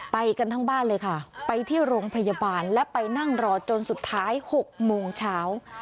ไปกันทั้งบ้านเลยค่ะไปที่โรงพยาบาลและไปนั่งรอจนสุดท้าย๖โมงเช้า